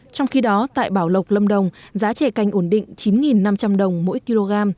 trong khi đó tại bảo lộc lâm đồng giá trè canh ổn định chín năm trăm linh đồng mỗi kg